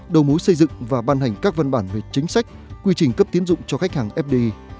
đầu mối xây dựng và ban hành các văn bản về chính sách quy trình cấp tiến dụng cho khách hàng fdi